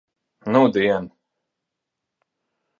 Nudien.